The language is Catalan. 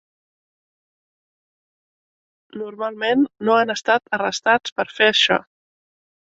Normalment no han estat arrestats per fer això.